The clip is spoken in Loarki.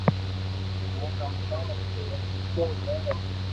ھين اوني روڪو دي